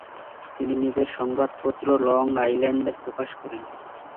তিনি নিজের সংবাদপত্র লং আইল্যান্ডার প্রকাশ করেন।